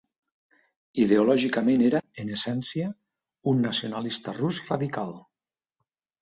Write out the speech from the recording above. Ideològicament era, en essència, un nacionalista rus radical.